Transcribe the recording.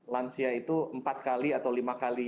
lansia itu empat kali atau lima kali